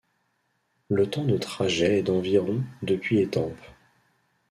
Le temps de trajet est d'environ depuis Étampes.